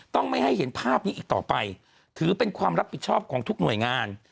ไม่ให้เห็นภาพนี้อีกต่อไปถือเป็นความรับผิดชอบของทุกหน่วยงาน